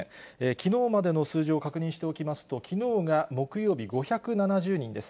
きのうまでの数字を確認しておきますと、きのうが木曜日５７０人です。